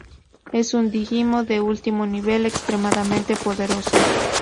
Es un Digimon de último nivel extremadamente poderoso.